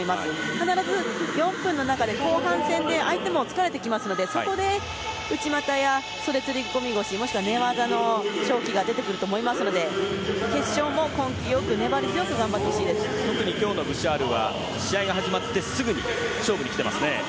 必ず、４分の中で後半戦で相手も疲れてきますのでそこで内股や袖釣り込み腰もしくは、寝技の勝機が出てくると思いますので決勝も根気強く粘り強く特に今日のブシャールは試合が始まってすぐに勝負に来ていますね。